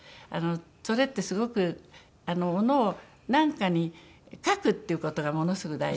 それってすごくものをなんかに書くっていう事がものすごく大事。